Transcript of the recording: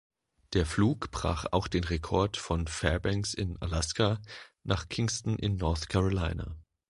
Der Flug brach auch den Rekord von Fairbanks in Alaska nach Kinston in North Carolina.